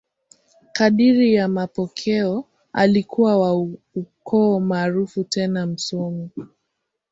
Kadiri ya mapokeo, alikuwa wa ukoo maarufu tena msomi.